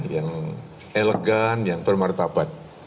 yang elegan yang bermertabat